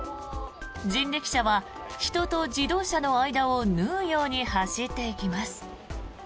人力車は人と自動車の間を縫うように走っていきます。